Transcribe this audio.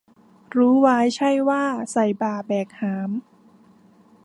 รู้ไว้ใช่ว่า ใส่บ่าแบกหาม